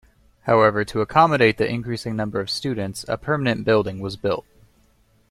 However, to accommodate the increasing number of students, a permanent building was built.